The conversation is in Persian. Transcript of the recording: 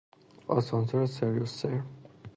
آسانسور سری السیر